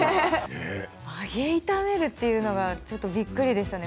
揚げ炒めるというのがちょっとびっくりでしたね。